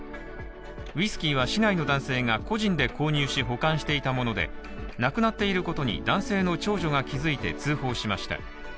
ウイスキーは市内の男性が個人で購入し保管していたものでなくなっていることに男性の長女が気づいて通報しました。